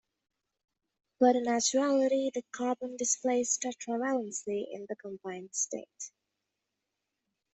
But in actuality, carbon displays tetravalency in the combined state.